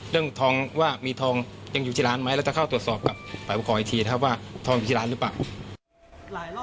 เรื่องทองว่ามีทองยังอยู่ที่ร้านไหมแล้วจะเข้าตรวจสอบกับฝ่ายปกครองอีกทีนะครับว่าทองอยู่ที่ร้านหรือเปล่า